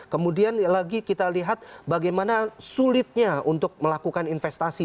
kemudian lagi kita lihat bagaimana sulitnya untuk melakukan investasi